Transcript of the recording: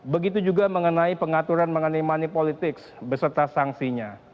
begitu juga mengenai pengaturan mengenai money politics beserta sanksinya